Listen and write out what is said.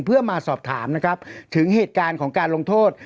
เพื่อมาสอบถามนะครับถึงเหตุการณ์ของการลงโทษ